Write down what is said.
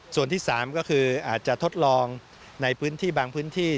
ส่วนที่๓ก็คืออาจจะทดลองในพื้นที่บางพื้นที่